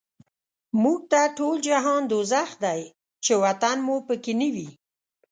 موږ ته ټول جهان دوزخ دی، چی وطن مو په کی نه وی